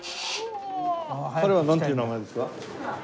彼はなんという名前ですか？